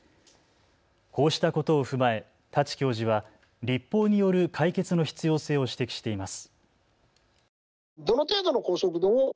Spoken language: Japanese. こうしたことを踏まえ城教授は立法による解決の必要性を指摘しています。